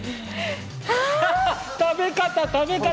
食べ方！